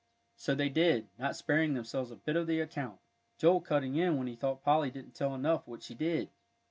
So they did, not sparing themselves a bit of the account, Joel cutting in when he thought Polly didn't tell enough what she did.